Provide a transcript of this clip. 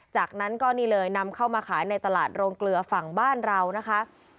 จากนั้นก็นี่เลยนำเข้ามาขายในตลาดโรงเกลือฝั่งบ้านเรานะคะ